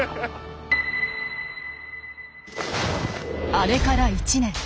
あれから１年。